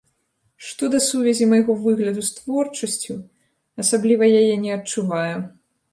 Што да сувязі майго выгляду з творчасцю, асабліва яе не адчуваю.